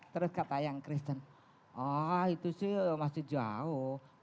terus kata yang kristen ah itu sih masih jauh